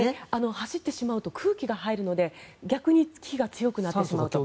走ってしまうと空気が入るので逆に火が強くなると。